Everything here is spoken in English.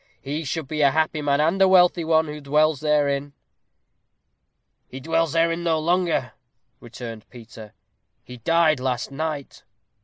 He should be a happy man, and a wealthy one, who dwells therein." "He dwells therein no longer," returned Peter; "he died last night."